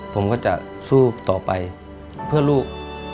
ผมก็จะสู้ต่อไปเพื่อลูก